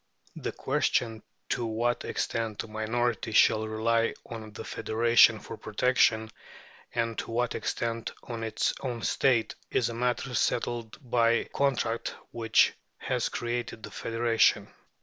The question to what extent a minority shall rely on the federation for protection, and to what extent on its own State, is a matter settled by the contract which has created the federation.